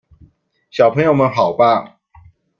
小朋友們好棒！